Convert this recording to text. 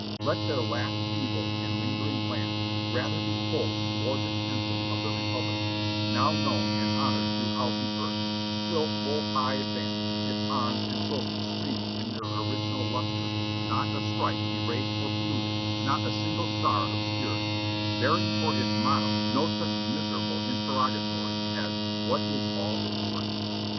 Let their last feeble and lingering glance rather behold the gorgeous ensign of the republic, now known and honored throughout the earth, still full high advanced, its arms and trophies streaming in their original lustre, not a stripe erased or polluted, nor a single star obscured bearing for its motto no such miserable interrogatory as What is all this worth?